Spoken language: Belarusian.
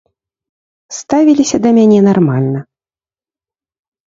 Ставіліся да мяне нармальна.